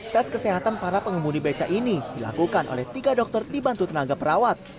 tes kesehatan para pengemudi beca ini dilakukan oleh tiga dokter dibantu tenaga perawat